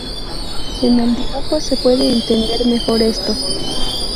En el dibujo se puede entender mejor esto.